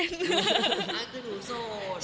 คือหนูโสด